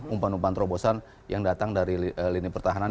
umpan umpan terobosan yang datang dari lini pertahanan